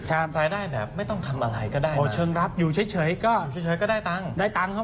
รายได้แบบไม่ต้องทำอะไรก็ได้มา